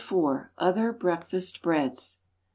4 OTHER BREAKFAST BREADS.